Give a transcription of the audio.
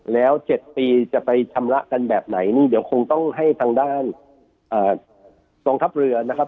แล้ว๗ปีจะไปชำระกันแบบไหนนี่เดี๋ยวคงต้องให้ทางด้านกองทัพเรือนะครับ